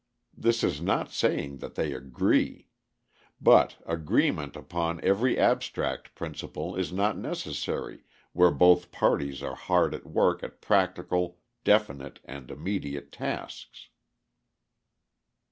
This is not saying that they agree. But agreement upon every abstract principle is not necessary where both parties are hard at work at practical, definite, and immediate tasks.